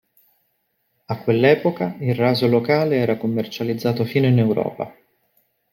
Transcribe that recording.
A quell'epoca il raso locale era commercializzato fino in Europa.